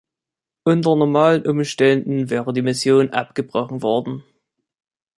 Unter normalen Umständen wäre die Mission abgebrochen worden.